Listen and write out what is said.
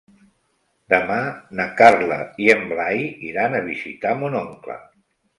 Demà na Carla i en Blai iran a visitar mon oncle.